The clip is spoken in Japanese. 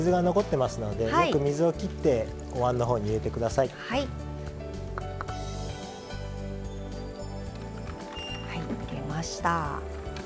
はい入れました。